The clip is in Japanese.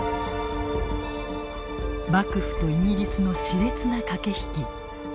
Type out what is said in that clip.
幕末とイギリスのしれつな駆け引き。